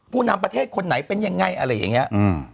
ผู้นำประเทศคนไหนเป็นยังไงอะไรอย่างนี้